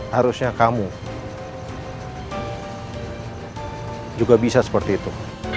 harusnya kamu juga bisa seperti itu